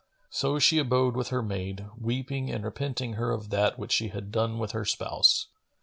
So she abode with her maid, weeping and repenting her of that which she had done with her spouse.